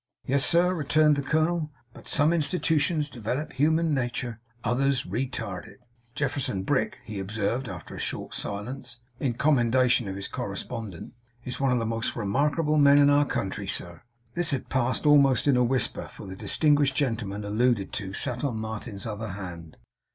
'Yes, sir,' returned the colonel, 'but some institutions develop human natur; others re tard it.' 'Jefferson Brick,' he observed after a short silence, in commendation of his correspondent, 'is one of the most remarkable men in our country, sir!' This had passed almost in a whisper, for the distinguished gentleman alluded to sat on Martin's other hand.